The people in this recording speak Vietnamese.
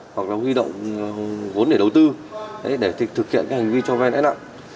hoặc là huy động vốn để đầu tư để thực hiện cái hành vi cho vay lãi nặng